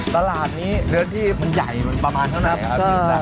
ตลาดนี้เนื้อที่มันใหญ่มันประมาณเท่าไหร่ครับ